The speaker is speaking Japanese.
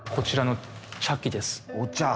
お茶。